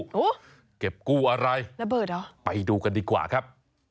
โอ้โหเก็บกู้อะไรระเบิดเหรอไปดูกันดีกว่าครับ